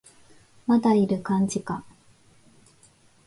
まだいる感じか